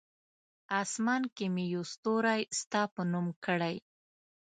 آسمان کې مې یو ستوری ستا په نوم کړی!